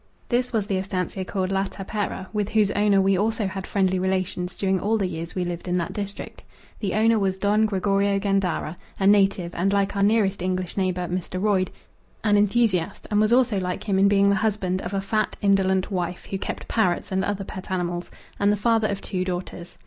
This was the estancia called La Tapera, with whose owner we also had friendly relations during all the years we lived in that district. The owner was Don Gregorio Gandara, a native, and like our nearest English neighbour, Mr. Royd, an enthusiast, and was also like him in being the husband of a fat indolent wife who kept parrots and other pet animals, and the father of two daughters.